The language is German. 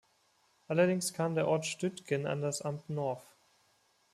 Allerdings kam der Ort Stüttgen an das Amt Norf.